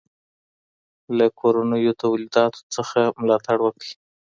له کورنيو توليداتو څخه ملاتړ وکړئ.